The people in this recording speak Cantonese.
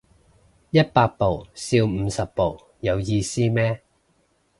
一百步笑五十步有意思咩